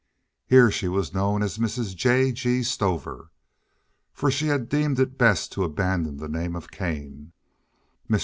Here she was known as Mrs. J. G. Stover, for she had deemed it best to abandon the name of Kane. Mr.